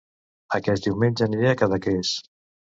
Aquest diumenge aniré a Cadaqués